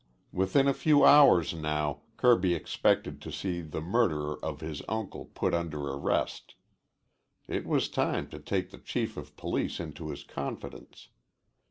Within a few hours now Kirby expected to see the murderer of his uncle put under arrest. It was time to take the Chief of Police into his confidence.